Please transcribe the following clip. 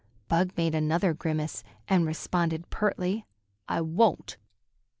Bug made another grimace, and responded pertly, "I won't!"